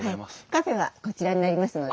カフェはこちらになりますので。